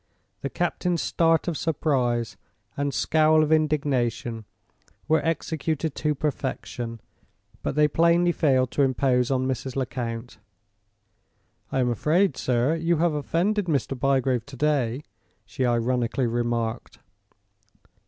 The captain's start of surprise and scowl of indignation were executed to perfection, but they plainly failed to impose on Mrs. Lecount. "I am afraid, sir, you have offended Mr. Bygrave to day," she ironically remarked.